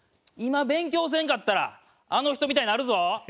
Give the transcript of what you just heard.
今勉強せんかったらあの人みたいになるぞ。